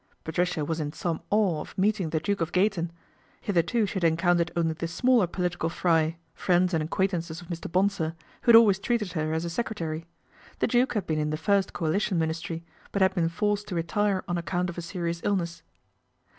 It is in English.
Patricia was in some awe of meeting the Duki of Gayton. Hitherto she had encountered onl] the smaller political fry, friends and acquaintance of Mr. Bonsor, who had always treated her as ; secretary. The Duke had been in the first Coali tion Ministry, but had been forced to retire o: account of a serious illness.